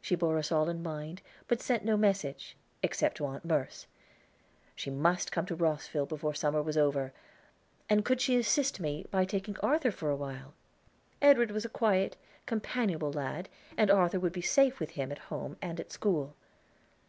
She bore us all in mind but sent no message, except to Aunt Merce; she must come to Rosville before summer was over. And could she assist me by taking Arthur for a while? Edward was a quiet, companionable lad, and Arthur would be safe with him at home and at school.